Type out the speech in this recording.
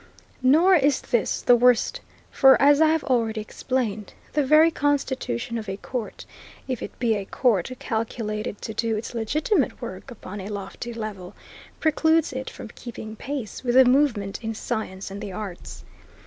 Nor is this the worst; for, as I have already explained, the very constitution of a court, if it be a court calculated to do its legitimate work upon a lofty level, precludes it from keeping pace with the movement in science and the arts.